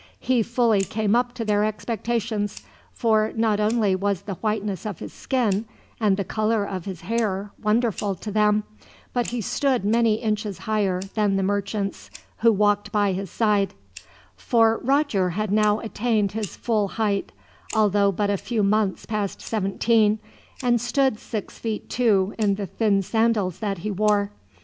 He fully came up to their expectations, for not only was the whiteness of his skin and the color of his hair wonderful to them, but he stood many inches higher than the merchants who walked by his side; for Roger had now attained his full height although but a few months past seventeen and stood six feet two in the thin sandals that he wore.